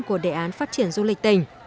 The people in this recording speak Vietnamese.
của đề án phát triển du lịch tỉnh